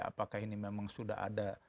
apakah ini memang sudah ada